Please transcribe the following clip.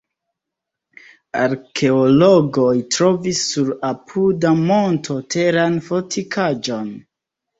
Arkeologoj trovis sur apuda monto teran fortikaĵon.